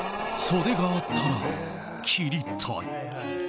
袖があったら切りたい。